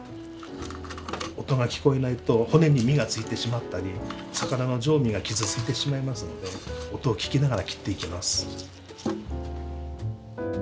音が聞こえないと骨に身が付いてしまったり魚の上身が傷ついてしまいますので音を聞きながら切っていきます。